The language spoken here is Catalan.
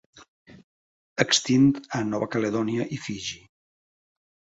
Extint a Nova Caledònia i Fiji.